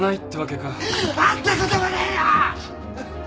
会ったこともねえよ！